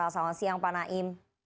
selamat siang pak naim